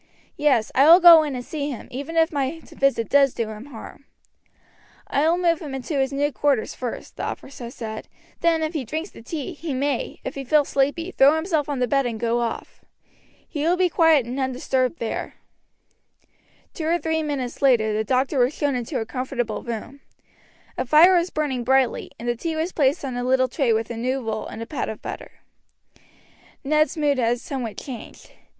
Yes, I will go in and see him even if my visit does do him harm." "I will move him into his new quarters first," the officer said; "then if he drinks the tea he may, if he feels sleepy, throw himself on the bed and go off. He will be quiet and undisturbed there." Two or three minutes later the doctor was shown into a comfortable room. A fire was burning brightly, and the tea was placed on a little tray with a new roll and a pat of butter. Ned's mood had somewhat changed.